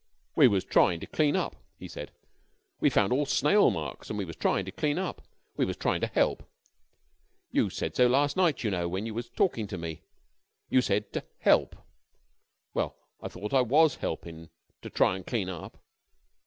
"We was tryin' to clean up," he said. "We found all snail marks an' we was tryin' to clean up. We was tryin' to help. You said so last night, you know, when you was talkin' to me. You said to help. Well, I thought it was helpin' to try an' clean up.